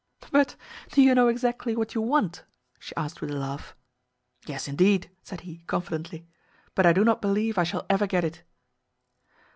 "But do you know exactly what you want?" she asked with a laugh. "Yes indeed," said he confidently. "But I do not believe I shall ever get it."